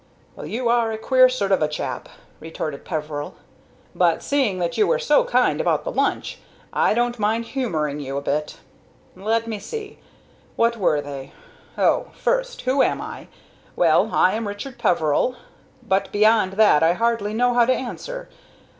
"Well, you are a queer sort of a chap," retorted Peveril; "but, seeing that you were so kind about the lunch, I don't mind humoring you a bit. Let me see: What were they? Oh! First who am I? Well, I am Richard Peveril; but beyond that I hardly know how to answer.